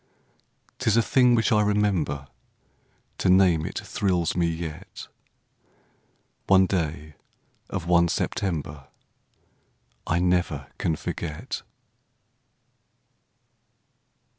'T is a thing which I remember; To name it thrills me yet: One day of one September I never can forget.